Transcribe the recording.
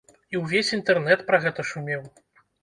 І ўвесь інтэрнэт пра гэта шумеў.